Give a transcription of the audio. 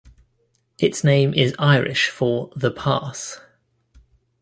Its name is Irish for "the pass".